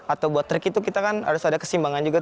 atau buat trik itu kita kan harus ada kesimbangan juga